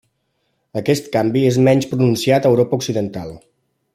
Aquest canvi és menys pronunciat a Europa occidental.